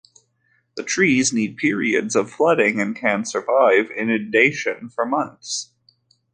The trees need periods of flooding and can survive inundation for months.